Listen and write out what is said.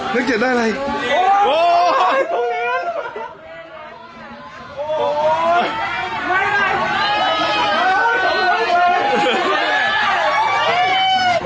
เลข๗ได้อะไรโอ้โห